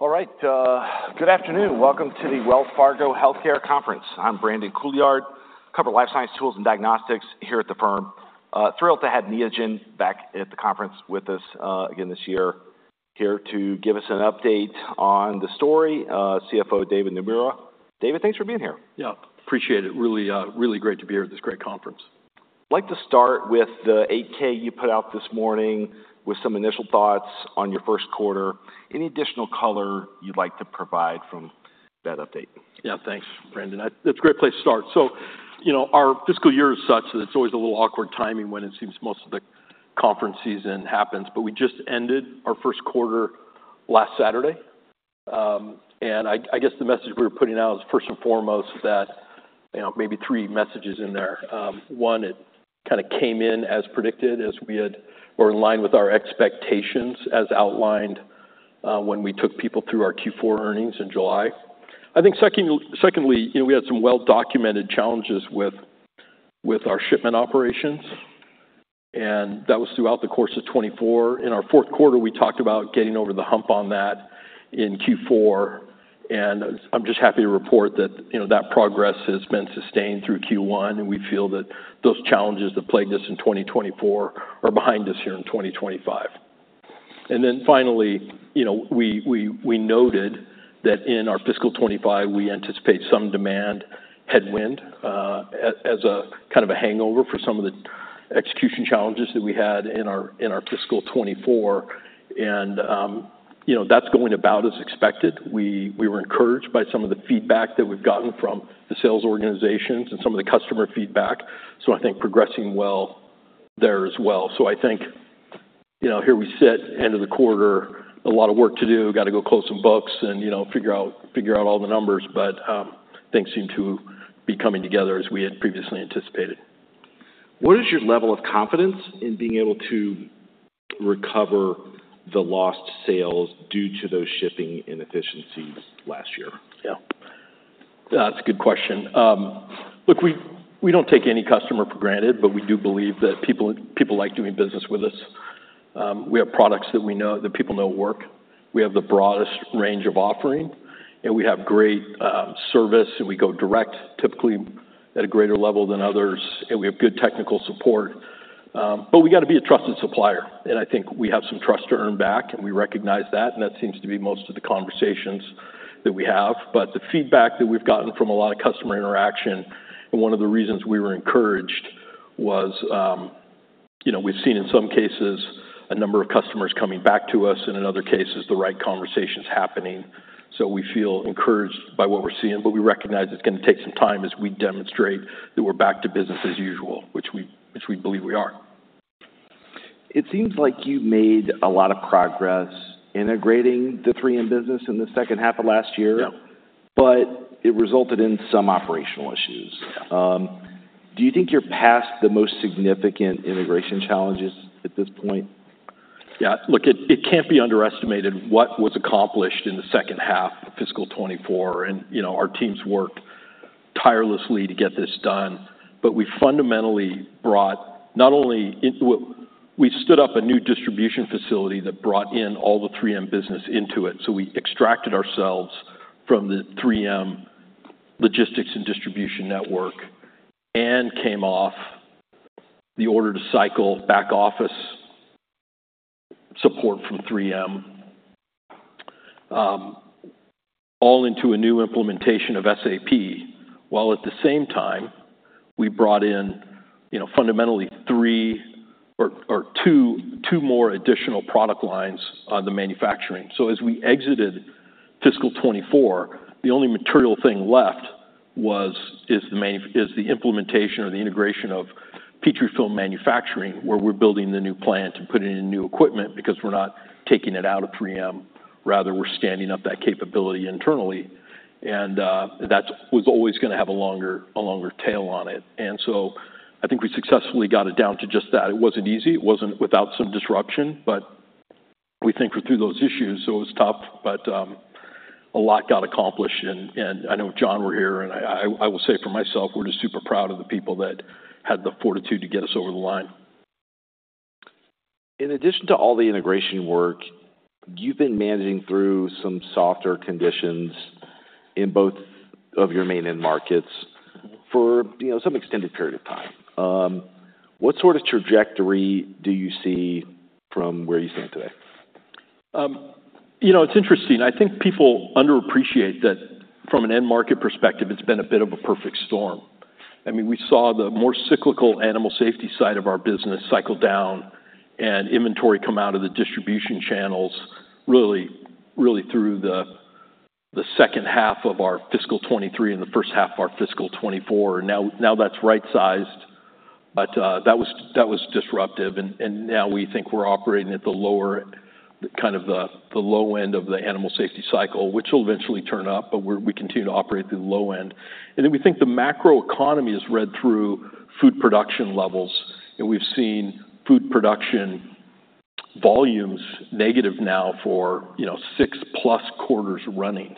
All right, good afternoon. Welcome to the Wells Fargo Healthcare Conference. I'm Brandon Couillard, cover life science, tools, and diagnostics here at the firm. Thrilled to have Neogen back at the conference with us, again this year. Here to give us an update on the story, CFO, David Naemura. David, thanks for being here. Yeah, appreciate it. Really, really great to be here at this great conference. I'd like to start with the 8-K you put out this morning with some initial thoughts on your first quarter. Any additional color you'd like to provide from that update? Yeah, thanks, Brandon. I-- That's a great place to start. So, you know, our fiscal year is such that it's always a little awkward timing when it seems most of the conference season happens. But we just ended our first quarter last Saturday. And I guess the message we were putting out is, first and foremost, that, you know, maybe three messages in there. One, it kinda came in as predicted, as we had- we're in line with our expectations, as outlined, when we took people through our Q4 earnings in July. I think second, secondly, you know, we had some well-documented challenges with our shipment operations, and that was throughout the course of 2024. In our fourth quarter, we talked about getting over the hump on that in Q4, and I'm just happy to report that, you know, that progress has been sustained through Q1, and we feel that those challenges that plagued us in 2024 are behind us here in 2025, and then finally, you know, we noted that in our fiscal 2025, we anticipate some demand headwind as a kind of a hangover for some of the execution challenges that we had in our fiscal 2024, and you know, that's going about as expected. We were encouraged by some of the feedback that we've gotten from the sales organizations and some of the customer feedback, so I think progressing well there as well, so I think, you know, here we sit, end of the quarter, a lot of work to do. We've got to go close some books and, you know, figure out, figure out all the numbers, but things seem to be coming together as we had previously anticipated. What is your level of confidence in being able to recover the lost sales due to those shipping inefficiencies last year? Yeah. That's a good question. Look, we don't take any customer for granted, but we do believe that people like doing business with us. We have products that we know that people know work. We have the broadest range of offering, and we have great service, and we go direct, typically at a greater level than others, and we have good technical support. But we got to be a trusted supplier, and I think we have some trust to earn back, and we recognize that, and that seems to be most of the conversations that we have. But the feedback that we've gotten from a lot of customer interaction, and one of the reasons we were encouraged was, you know, we've seen, in some cases, a number of customers coming back to us, and in other cases, the right conversations happening. So we feel encouraged by what we're seeing, but we recognize it's gonna take some time as we demonstrate that we're back to business as usual, which we believe we are. It seems like you've made a lot of progress integrating the 3M business in the second half of last year- Yeah - but it resulted in some operational issues. Yeah. Do you think you're past the most significant integration challenges at this point? Yeah. Look, it can't be underestimated what was accomplished in the second half of fiscal 2024, and, you know, our teams worked tirelessly to get this done. But we fundamentally brought not only we stood up a new distribution facility that brought in all the 3M business into it. So we extracted ourselves from the 3M logistics and distribution network and came off the order-to-cash cycle back office support from 3M, all into a new implementation of SAP, while at the same time, we brought in, you know, fundamentally three or two more additional product lines on the manufacturing. So as we exited fiscal 2024, the only material thing left is the implementation or the integration of Petrifilm manufacturing, where we're building the new plant and putting in new equipment because we're not taking it out of 3M. Rather, we're standing up that capability internally, and that was always gonna have a longer tail on it. So I think we successfully got it down to just that. It wasn't easy. It wasn't without some disruption, but we think we're through those issues, so it was tough, but a lot got accomplished. I know John is here, and I will say for myself, we're just super proud of the people that had the fortitude to get us over the line. In addition to all the integration work, you've been managing through some softer conditions in both of your main end markets for, you know, some extended period of time. What sort of trajectory do you see from where you stand today? You know, it's interesting. I think people underappreciate that from an end market perspective, it's been a bit of a perfect storm. I mean, we saw the more cyclical Animal Safety side of our business cycle down and inventory come out of the distribution channels through the second half of our fiscal 2023 and the first half of our fiscal 2024. Now that's right-sized, but that was disruptive, and now we think we're operating at the lower, kind of the low end of the Animal Safety cycle, which will eventually turn up, but we continue to operate through the low end. And then we think the macroeconomy is read through food production levels, and we've seen food production volumes negative now for, you know, six plus quarters running.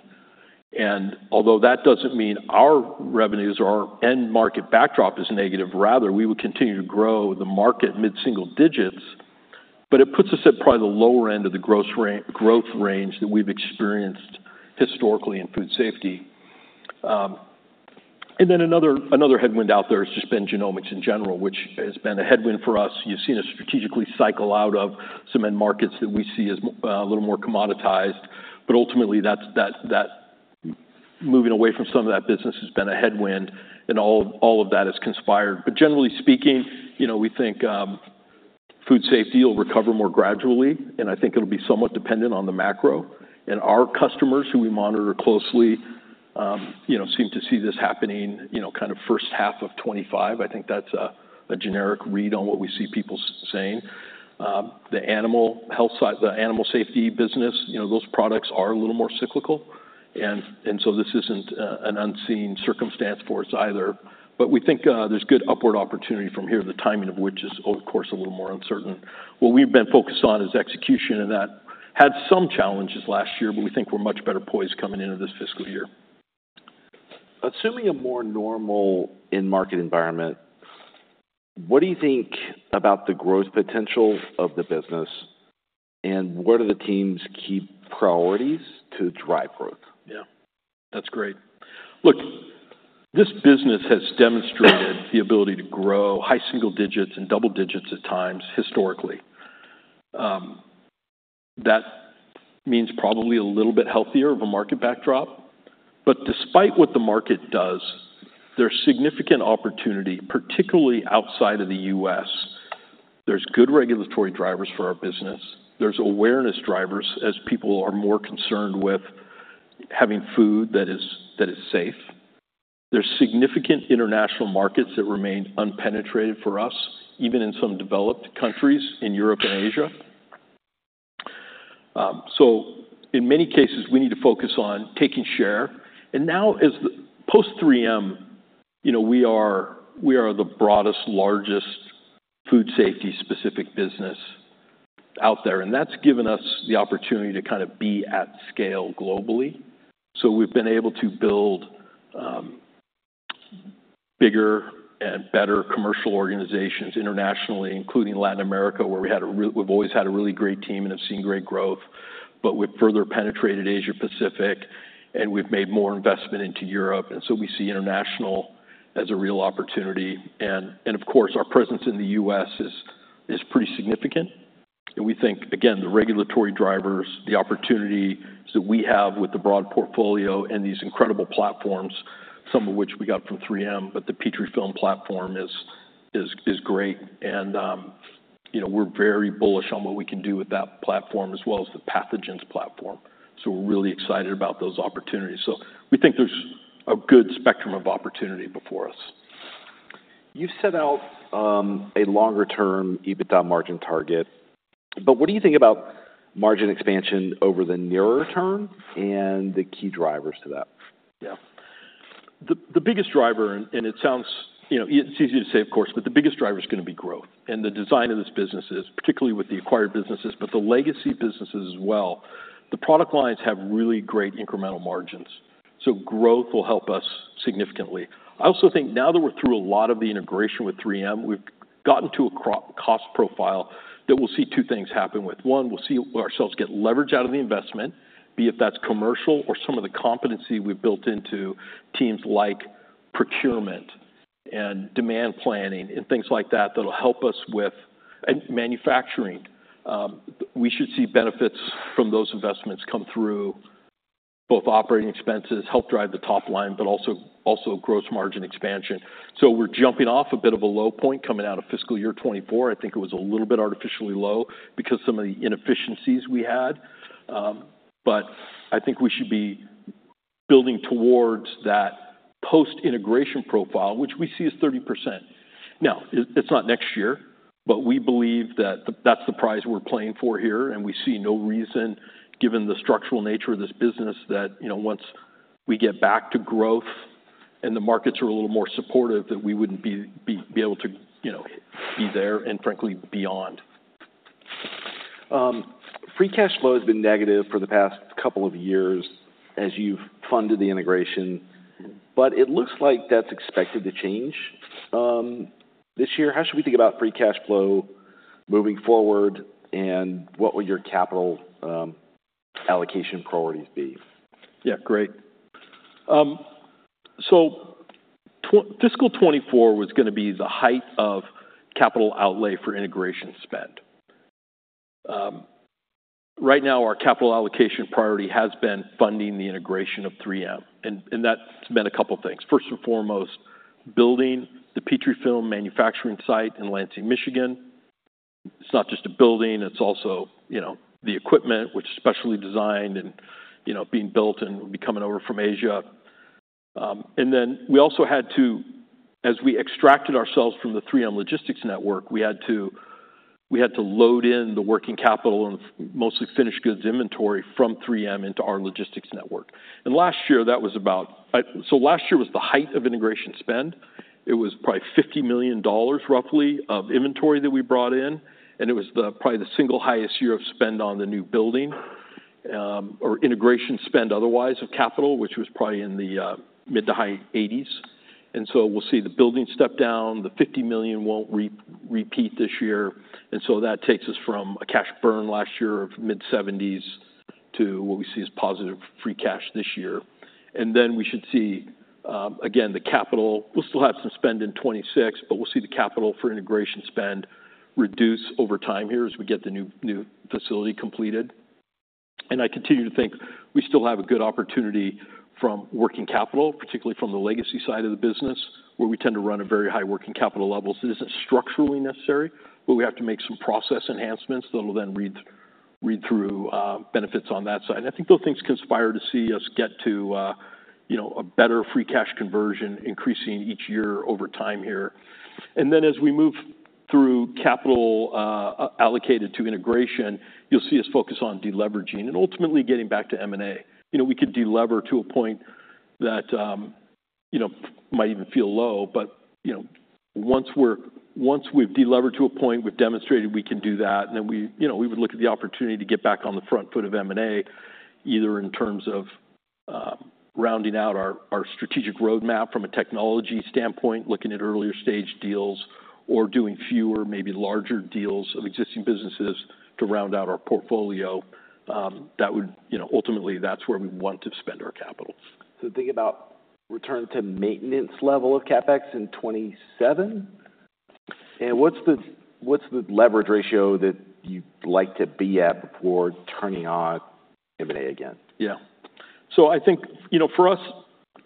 Although that doesn't mean our revenues or our end market backdrop is negative. Rather, we will continue to grow the market mid-single digits, but it puts us at probably the lower end of the growth range that we've experienced historically in food safety. Another headwind out there has just been genomics in general, which has been a headwind for us. You've seen us strategically cycle out of some end markets that we see as a little more commoditized, but ultimately, that's moving away from some of that business has been a headwind, and all of that has conspired. Generally speaking, you know, we think food safety will recover more gradually, and I think it'll be somewhat dependent on the macro. Our customers, who we monitor closely, you know, seem to see this happening, you know, kind of first half of twenty-five. I think that's a generic read on what we see people saying. The animal health side, the Animal Safety business, you know, those products are a little more cyclical, and so this isn't an unseen circumstance for us either. But we think there's good upward opportunity from here, the timing of which is, of course, a little more uncertain. What we've been focused on is execution, and that had some challenges last year, but we think we're much better poised coming into this fiscal year. Assuming a more normal end market environment, what do you think about the growth potential of the business, and what are the team's key priorities to drive growth? Yeah, that's great. Look, this business has demonstrated the ability to grow high single digits and double digits at times, historically. That means probably a little bit healthier of a market backdrop. But despite what the market does, there's significant opportunity, particularly outside of the U.S. There's good regulatory drivers for our business. There's awareness drivers, as people are more concerned with having food that is safe. There's significant international markets that remain unpenetrated for us, even in some developed countries in Europe and Asia, so in many cases, we need to focus on taking share, and now, as post 3M, you know, we are the broadest, largest food safety-specific business out there, and that's given us the opportunity to kind of be at scale globally. So we've been able to build bigger and better commercial organizations internationally, including Latin America, where we've always had a really great team and have seen great growth. But we've further penetrated Asia-Pacific, and we've made more investment into Europe, and so we see international as a real opportunity. And of course, our presence in the U.S. is pretty significant. And we think, again, the regulatory drivers, the opportunities that we have with the broad portfolio and these incredible platforms, some of which we got from 3M, but the Petrifilm platform is great. And you know, we're very bullish on what we can do with that platform as well as the pathogens platform. So we're really excited about those opportunities. So we think there's a good spectrum of opportunity before us. You set out, a longer-term EBITDA margin target, but what do you think about margin expansion over the nearer term and the key drivers to that? The biggest driver, and it sounds... You know, it's easy to say, of course, but the biggest driver is gonna be growth. The design of this business is, particularly with the acquired businesses, but the legacy businesses as well, the product lines have really great incremental margins, so growth will help us significantly. I also think now that we're through a lot of the integration with 3M, we've gotten to a cost profile that we'll see two things happen with. One, we'll see ourselves get leverage out of the investment, be it if that's commercial or some of the competency we've built into teams like procurement and demand planning and things like that, that'll help us with, and manufacturing. We should see benefits from those investments come through both operating expenses, help drive the top line, but also gross margin expansion. We're jumping off a bit of a low point coming out of fiscal year 2024. I think it was a little bit artificially low because some of the inefficiencies we had, but I think we should be building towards that post-integration profile, which we see as 30%. Now, it's not next year, but we believe that that's the prize we're playing for here, and we see no reason, given the structural nature of this business, that, you know, once we get back to growth and the markets are a little more supportive, that we wouldn't be able to, you know, be there and frankly, beyond. Free cash flow has been negative for the past couple of years as you've funded the integration, but it looks like that's expected to change this year. How should we think about free cash flow moving forward, and what will your capital allocation priorities be? Yeah, great. So fiscal 2024 was gonna be the height of capital outlay for integration spend. Right now, our capital allocation priority has been funding the integration of 3M, and that's been a couple things. First and foremost, building the Petrifilm manufacturing site in Lansing, Michigan. It's not just a building, it's also, you know, the equipment, which is specially designed and, you know, being built and will be coming over from Asia. And then we also had to, as we extracted ourselves from the 3M logistics network, we had to load in the working capital and mostly finished goods inventory from 3M into our logistics network. And last year was the height of integration spend. It was probably $50 million roughly of inventory that we brought in, and it was probably the single highest year of spend on the new building, or integration spend otherwise of capital, which was probably in the mid to high eighties. And so we'll see the building step down. The $50 million won't repeat this year, and so that takes us from a cash burn last year of mid-seventies to what we see as positive free cash this year. And then we should see, again, the capital. We'll still have some spend in 2026, but we'll see the capital for integration spend reduce over time here as we get the new facility completed. And I continue to think we still have a good opportunity from working capital, particularly from the legacy side of the business, where we tend to run a very high working capital level. So this isn't structurally necessary, but we have to make some process enhancements that'll then read through benefits on that side. I think those things conspire to see us get to, you know, a better free cash conversion, increasing each year over time here. And then as we move through capital allocated to integration, you'll see us focus on deleveraging and ultimately getting back to M&A. You know, we could delever to a point that, you know, might even feel low, but, you know, once we've delevered to a point, we've demonstrated we can do that, then we, you know, we would look at the opportunity to get back on the front foot of M&A, either in terms of, rounding out our, our strategic roadmap from a technology standpoint, looking at earlier stage deals, or doing fewer, maybe larger deals of existing businesses to round out our portfolio, that would, you know, ultimately, that's where we want to spend our capital. So think about return to maintenance level of CapEx in 2027? And what's the leverage ratio that you'd like to be at before turning on M&A again? Yeah. So I think, you know, for us,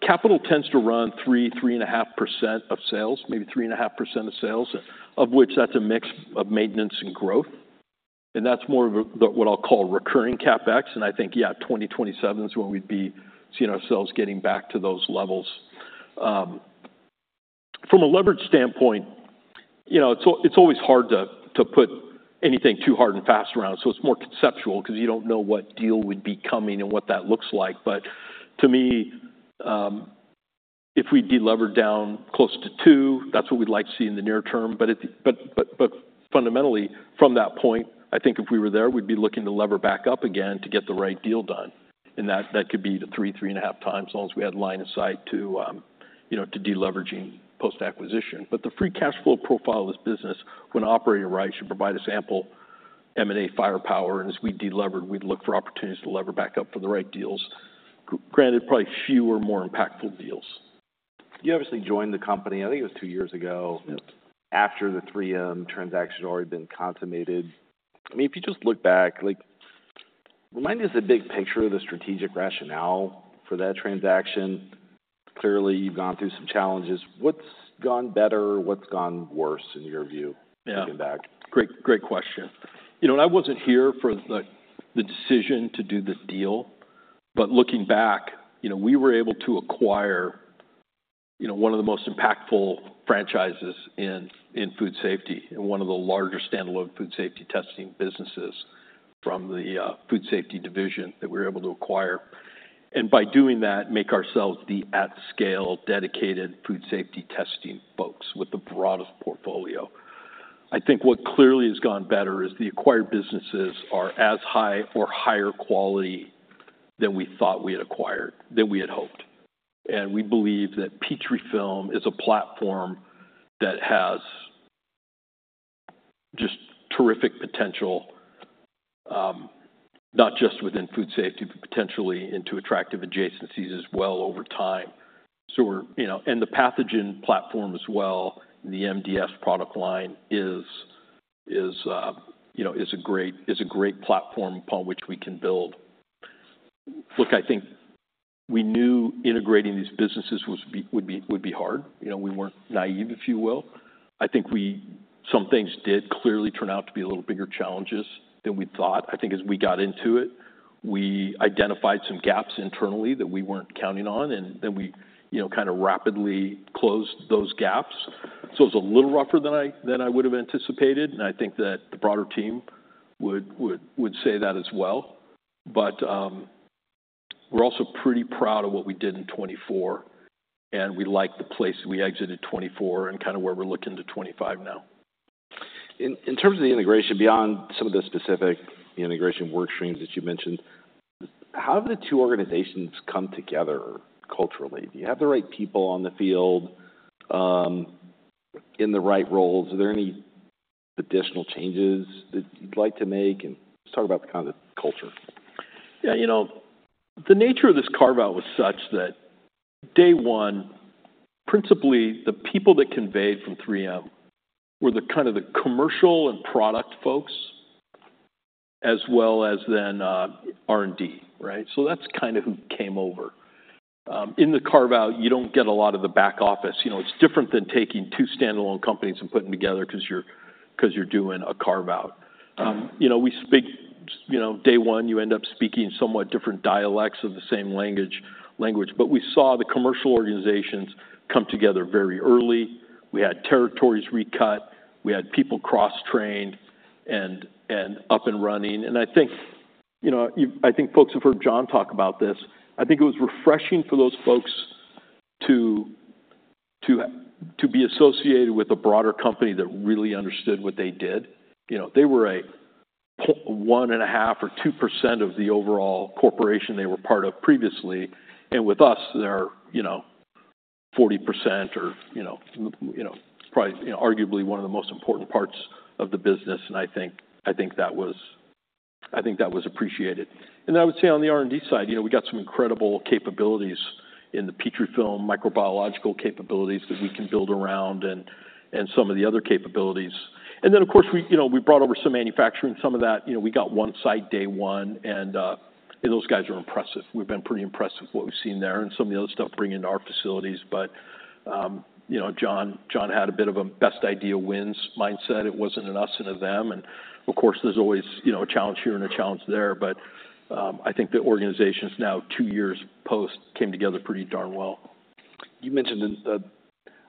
capital tends to run 3%-3.5% of sales, maybe 3.5% of sales, of which that's a mix of maintenance and growth, and that's more of a, the, what I'll call recurring CapEx. I think, yeah, 2027 is when we'd be seeing ourselves getting back to those levels. From a leverage standpoint, you know, it's always hard to put anything too hard and fast around, so it's more conceptual because you don't know what deal would be coming and what that looks like. But to me, if we deliver down close to 2, that's what we'd like to see in the near term. But fundamentally, from that point, I think if we were there, we'd be looking to lever back up again to get the right deal done, and that could be the three and a half times, as long as we had line of sight to, you know, to deleveraging post-acquisition. But the free cash flow profile of this business, when operating right, should provide us ample M&A firepower, and as we delevered, we'd look for opportunities to lever back up for the right deals. Granted, probably fewer, more impactful deals. You obviously joined the company, I think it was two years ago- Yep. After the 3M transaction had already been consummated. I mean, if you just look back, like, remind us the big picture of the strategic rationale for that transaction. Clearly, you've gone through some challenges. What's gone better? What's gone worse, in your view? Yeah. -looking back? Great, great question. You know, I wasn't here for the decision to do this deal, but looking back, you know, we were able to acquire, you know, one of the most impactful franchises in Food Safety and one of the larger standalone Food Safety testing businesses from the Food Safety division that we were able to acquire. And by doing that, make ourselves the at-scale, dedicated Food Safety testing folks with the broadest portfolio. I think what clearly has gone better is the acquired businesses are as high or higher quality than we thought we had acquired, than we had hoped. And we believe that Petrifilm is a platform that has just terrific potential, not just within Food Safety, but potentially into attractive adjacencies as well over time. So we're, you know... The pathogen platform as well, the MDS product line is, you know, a great platform upon which we can build. Look, I think we knew integrating these businesses would be hard. You know, we weren't naive, if you will. I think some things did clearly turn out to be a little bigger challenges than we thought. I think as we got into it, we identified some gaps internally that we weren't counting on, and then we, you know, kind of rapidly closed those gaps. So it's a little rougher than I would have anticipated, and I think that the broader team would say that as well. But, we're also pretty proud of what we did in 2024, and we like the place we exited 2024 and kind of where we're looking to 2025 now. In terms of the integration, beyond some of the specific integration work streams that you mentioned, how have the two organizations come together culturally? Do you have the right people on the field, in the right roles? Are there any additional changes that you'd like to make? And let's talk about the kind of culture. Yeah, you know, the nature of this carve-out was such that day one, principally, the people that conveyed from 3M were the kind of the commercial and product folks, as well as then, R&D, right? So that's kind of who came over. In the carve-out, you don't get a lot of the back office. You know, it's different than taking two standalone companies and putting them together 'cause you're doing a carve-out. You know, day one, you end up speaking somewhat different dialects of the same language. But we saw the commercial organizations come together very early. We had territories recut, we had people cross-trained and up and running. And I think you know, you, I think folks have heard John talk about this. I think it was refreshing for those folks to be associated with a broader company that really understood what they did. You know, they were a one and a half or two percent of the overall corporation they were part of previously, and with us, they're, you know, 40% or, you know, probably, arguably one of the most important parts of the business. And I think that was appreciated. And I would say on the R&D side, you know, we got some incredible capabilities in the Petrifilm microbiological capabilities that we can build around and some of the other capabilities. And then, of course, we, you know, we brought over some manufacturing, some of that, you know, we got one site, day one, and those guys are impressive. We've been pretty impressed with what we've seen there and some of the other stuff bringing to our facilities. But, you know, John, John had a bit of a best idea wins mindset. It wasn't an us and a them. And of course, there's always, you know, a challenge here and a challenge there, but, I think the organization's now two years post came together pretty darn well. You mentioned in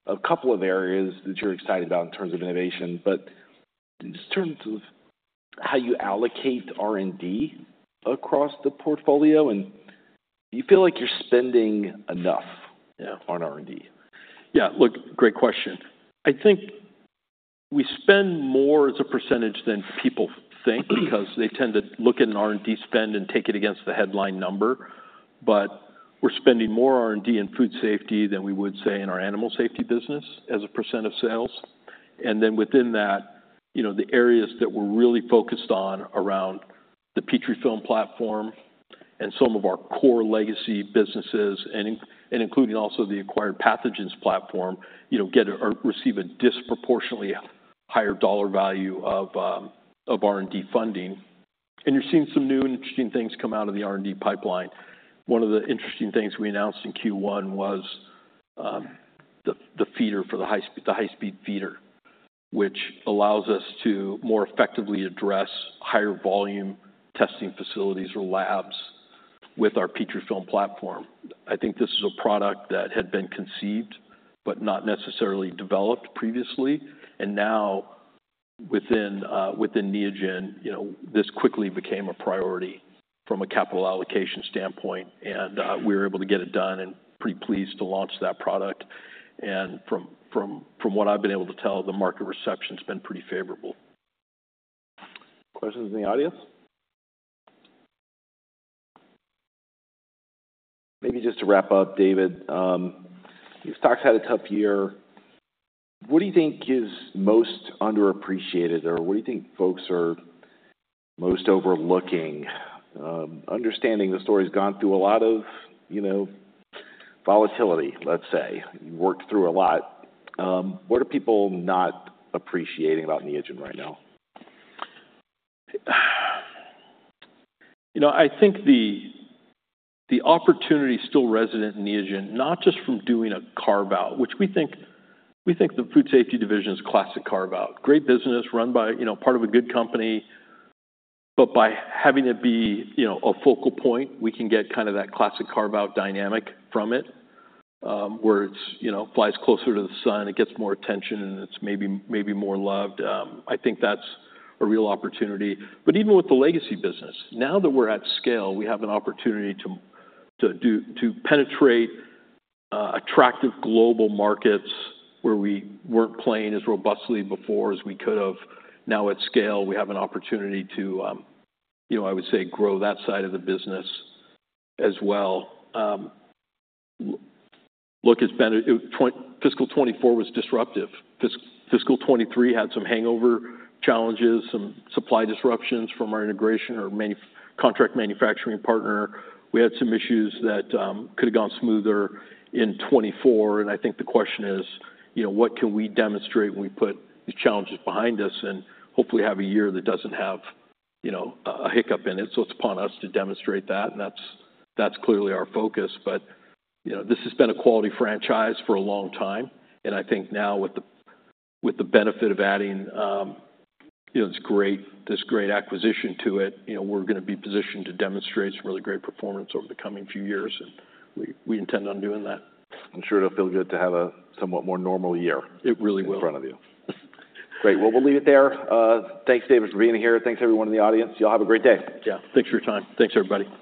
a couple of areas that you're excited about in terms of innovation, but just in terms of how you allocate R&D across the portfolio, and do you feel like you're spending enough- Yeah -on R&D? Yeah, look, great question. I think we spend more as a percentage than people think, because they tend to look at an R&D spend and take it against the headline number. But we're spending more R&D in food safety than we would, say, in our Animal Safety business as a percent of sales. And then within that, you know, the areas that we're really focused on around the Petrifilm platform and some of our core legacy businesses, and including also the acquired pathogens platform, you know, get or receive a disproportionately higher dollar value of R&D funding. And you're seeing some new and interesting things come out of the R&D pipeline. One of the interesting things we announced in Q1 was the High-Speed Feeder, which allows us to more effectively address higher volume testing facilities or labs with our Petrifilm platform. I think this is a product that had been conceived but not necessarily developed previously, and now within Neogen, you know, this quickly became a priority from a capital allocation standpoint, and we were able to get it done and pretty pleased to launch that product. From what I've been able to tell, the market reception's been pretty favorable. Questions in the audience? Maybe just to wrap up, David, your stock's had a tough year. What do you think is most underappreciated, or what do you think folks are most overlooking? Understanding the story's gone through a lot of, you know, volatility, let's say. You worked through a lot. What are people not appreciating about Neogen right now? You know, I think the opportunity is still resident in Neogen, not just from doing a carve-out, which we think the food safety division is a classic carve-out. Great business, run by, you know, part of a good company, but by having it be, you know, a focal point, we can get kind of that classic carve-out dynamic from it, where it's, you know, flies closer to the sun, it gets more attention, and it's maybe more loved. I think that's a real opportunity. Even with the legacy business, now that we're at scale, we have an opportunity to do to penetrate attractive global markets where we weren't playing as robustly before as we could have. Now, at scale, we have an opportunity to, you know, I would say, grow that side of the business as well. Look, it's been fiscal 2024 was disruptive. Fiscal 2023 had some hangover challenges, some supply disruptions from our integration, our main contract manufacturing partner. We had some issues that could have gone smoother in 2024, and I think the question is, you know, what can we demonstrate when we put these challenges behind us and hopefully have a year that doesn't have, you know, a hiccup in it? It's upon us to demonstrate that, and that's clearly our focus. But, you know, this has been a quality franchise for a long time, and I think now, with the benefit of adding, you know, this great acquisition to it, you know, we're gonna be positioned to demonstrate some really great performance over the coming few years, and we intend on doing that. I'm sure it'll feel good to have a somewhat more normal year- It really will. in front of you. Great. Well, we'll leave it there. Thanks, David, for being here. Thanks everyone in the audience. Y'all have a great day. Yeah. Thanks for your time. Thanks, everybody.